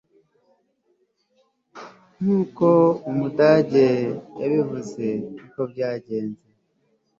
nkuko umudage yabivuze niko byagenze